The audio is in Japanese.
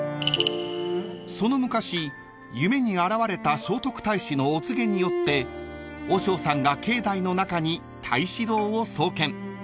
［その昔夢に現れた聖徳太子のお告げによって和尚さんが境内の中に太子堂を創建］